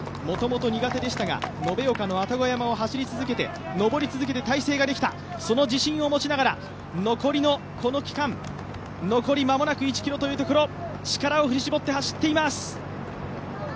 もともと苦手でしたが、延岡の愛宕山を走り続けて上り続けて耐性ができた、その自信を持ちながら残りのこの区間、間もなく１ｋｍというところ力を振り絞って走っています。